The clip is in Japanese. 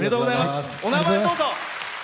お名前、どうぞ。